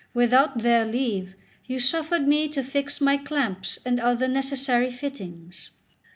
Without their leave you suffered me to fix my clamps and other necessary fittings."